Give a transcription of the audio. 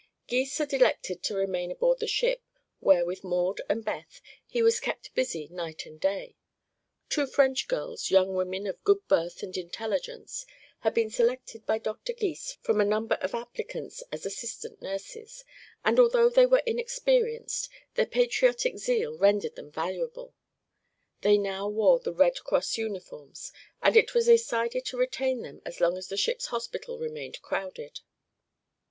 Gys had elected to remain aboard the ship, where with Maud and Beth he was kept busy night and day. Two French girls young women of good birth and intelligence had been selected by Dr. Gys from a number of applicants as assistant nurses, and although they were inexperienced, their patriotic zeal rendered them valuable. They now wore the Red Cross uniforms and it was decided to retain them as long as the ship's hospital remained crowded.